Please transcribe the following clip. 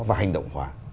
và hành động hóa